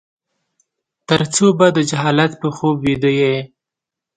ترڅو به د جهالت په خوب ويده يې ؟